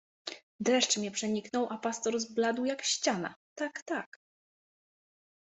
Dreszcz mnie przeniknął, a pastor zbladł jak ściana, tak, tak!